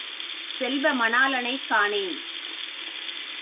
செல்வ மணாளனை காணேன்!